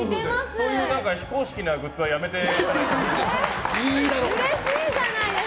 そういう非公式なグッズはやめてもらっていいですか。